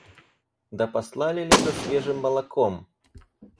Да послали ли за свежим молоком?